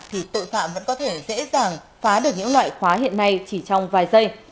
thì tội phạm vẫn có thể dễ dàng phá được những loại khóa hiện nay chỉ trong vài giây